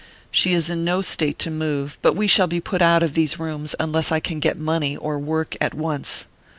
She is in no state to move, but we shall be put out of these rooms unless I can get money or work at once.